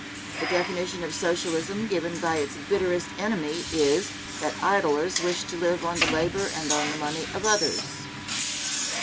The definition of socialism given by its bitterest enemy is, that idlers wish to live on the labor and on the money of others.